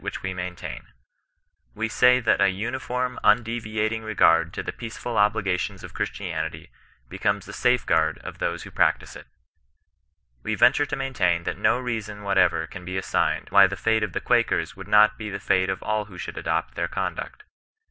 which we mftintain. We say, that ft um/onn, undtviatin^ TCgard to the peaceful obligations <tf Christian itj, &> eomti the tafeqaard of ihoie vho praetite it. Wa ven ture to maintain that no leason whatever can be asn^ed, why the fnte of the Quakers would not be the fate of all who should adopt their conduct.